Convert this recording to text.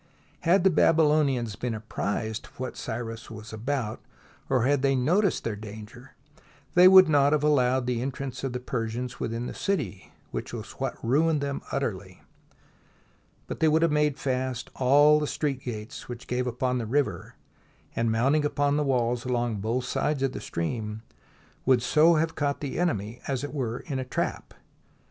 Had the Babylonians been apprised of what Cyrus was about, or had they noticed their danger, they would not have allowed the entrance of the Per sians within the city, which was what ruined them THE BOOK OF FAMOUS SIEGES utterly, but would have made fast all the street gates which gave upon the river, and mounting upon the walls along both sides of the stream, would so have caught the enemy, as it were, in a trap.